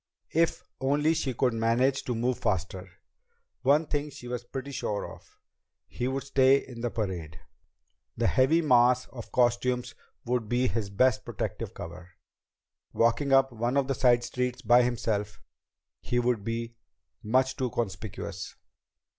If only she could manage to move faster! One thing she was pretty sure of. He would stay in the parade. The heavy mass of costumes would be his best protective cover. Walking up one of the side streets by himself, he would be much too conspicuous.